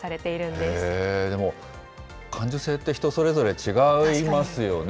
でも、感受性って人それぞれ違いますよね。